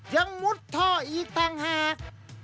ยังมุดท่ออีกทางหาก